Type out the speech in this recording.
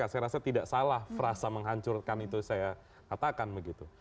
saya rasa tidak salah frasa menghancurkan itu saya katakan begitu